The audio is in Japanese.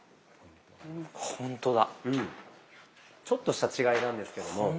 ちょっとした違いなんですけども。